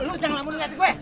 eh lu jangan langsung liat gue